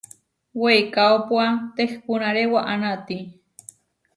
Weikaópua tehpúnare waʼá naati.